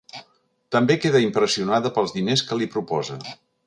També queda impressionada pels diners que li proposa.